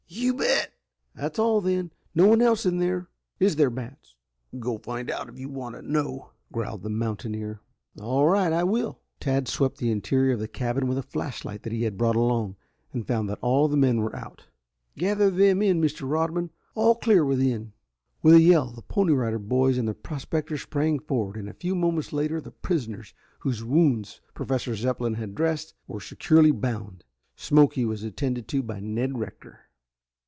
"You bet." "That's all, then. No one else in there, is there, Batts?" "Go find out if you want to know," growled the mountaineer. "All right, I will." Tad swept the interior of the cabin with a flash light that he had brought along, and found that all of the men were out. "Gather them in, Mr. Rodman. All clear within." With a yell the Pony Rider Boys and the prospectors sprang forward and a few moments later the prisoners, whose wounds Professor Zepplin had dressed, were securely bound. Smoky was attended to by Ned Rector.